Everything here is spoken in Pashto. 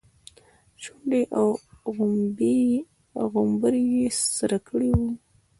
شونډې او غومبري يې سره کړي وو.